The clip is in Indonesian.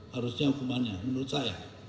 harusnya hukumannya menurut saya